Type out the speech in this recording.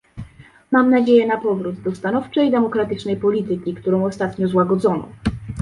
Mam nadzieję na powrót do stanowczej demokratycznej polityki, którą ostatnio złagodzono